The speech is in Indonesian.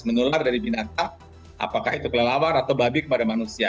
menular dari binatang apakah itu kelelawar atau babi kepada manusia